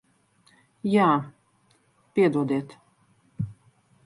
Jā. Piedodiet.